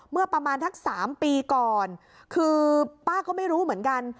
เมื่อประมาณสัก๓ปีก่อนคือป้าก็ไม่รู้เหมือนกัน